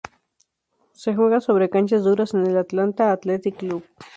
Se juega sobre canchas duras en el "Atlanta Athletic Club".